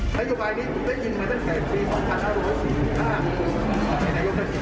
ถ้าอยู่ใบนี้ก็ได้ยินมาตั้งแต่ปี๒๐๐๕๒๐๐๔นะครับในยกษัตริย์